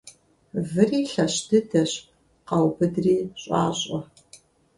Выри лъэщ дыдэщ — къаубыдри щӀащӀэ.